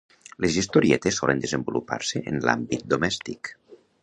Les historietes solen desenvolupar-se en l'àmbit domèstic.